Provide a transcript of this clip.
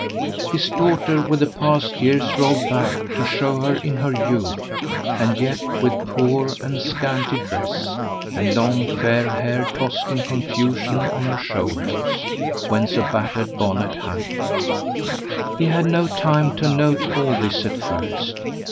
His daughter, with the past years rolled back to show her in her youth, and yet with poor and scanty dress, and long fair hair tossed in confusion on her shoulders, whence a battered bonnet hung. He had no time to note all this at first.